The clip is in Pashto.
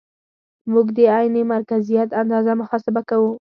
موږ د عین مرکزیت اندازه محاسبه کوو